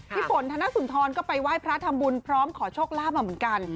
ฝนธนสุนทรก็ไปไหว้พระทำบุญพร้อมขอโชคลาภมาเหมือนกัน